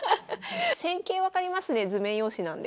戦型分かりますね図面用紙なんで。